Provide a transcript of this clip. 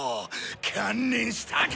観念したか！？